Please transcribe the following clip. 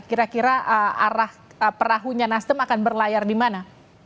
kira kira arah perahunya nasdem akan berlayar di mana